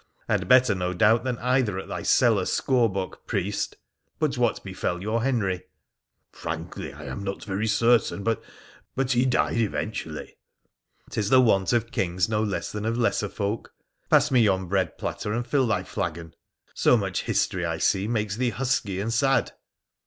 ' And better, no doubt, than either at thy cellar score book, priest ! But what befell your Henry ?'' Frankly, I am not very certain ; but he died eventually.' ' 'Tis the wont of kings no less than of lesser folk. Pass me yon bread platter, and fill thy flagon. So much history, I see, makes thee husky and sad